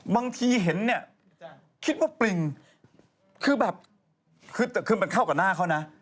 บางทีเห็นเนี่ยคิดว่าปริงคือแบบคือมันเข้ากับหน้าเขานะ